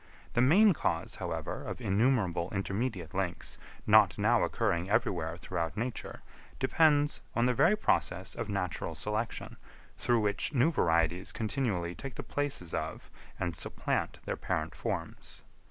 The main cause, however, of innumerable intermediate links not now occurring everywhere throughout nature depends, on the very process of natural selection, through which new varieties continually take the places of and supplant their parent forms.